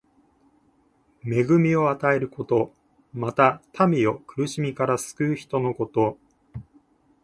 恵みを与えること。また、民を苦しみから救う人のこと。